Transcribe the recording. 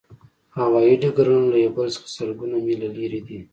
هوایی ډګرونه له یو بل څخه سلګونه میله لرې دي